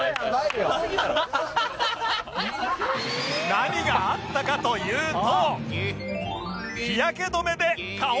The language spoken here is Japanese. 何があったかというと